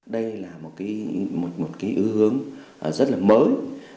đây là một cái ưu hướng rất là mới